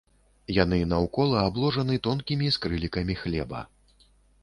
Яны наўкола абложаны тонкімі скрылікамі хлеба.